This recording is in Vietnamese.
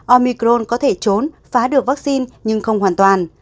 omicron có thể trốn phá được vaccine nhưng không hoàn toàn